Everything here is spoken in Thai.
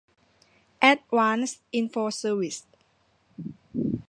แอดวานซ์ อินโฟร์ เซอร์วิส